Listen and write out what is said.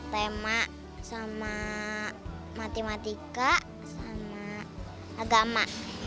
tema sama matematika sama agama